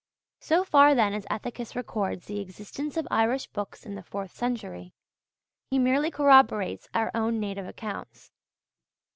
So far then as Ethicus records the existence of Irish books in the fourth century, he merely corroborates our own native accounts.